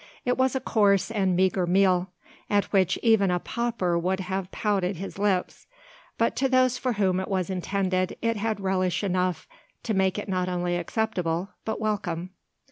It was a coarse and meagre meal; at which even a pauper would have pouted his lips; but to those for whom it was intended it had relish enough to make it not only acceptable, but welcome.